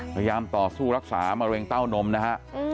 พยายามต่อสู้รักษามะเร็งเต้านมนะฮะ